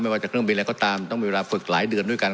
ว่าจะเครื่องบินอะไรก็ตามต้องมีเวลาฝึกหลายเดือนด้วยกัน